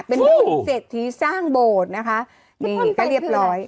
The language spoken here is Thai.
เป็นเศรษฐีสร้างโบสถ์นะคะนี่ก็เรียบร้อย